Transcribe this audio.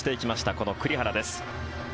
この栗原です。